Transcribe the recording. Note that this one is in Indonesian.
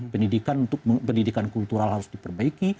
pendidikan kultural harus diperbaiki